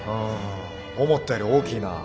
思ったより大きいなぁ。